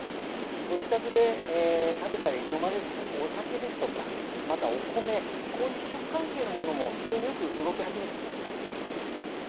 ご自宅で食べたり、飲まれるお酒ですとか、またお米、こういう主食関係のものも、非常によく動き始めてきました。